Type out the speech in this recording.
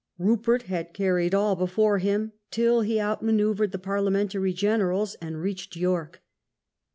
Rupert had carried all before him till he outmanoeuvred the Parliamentary generals and reached York.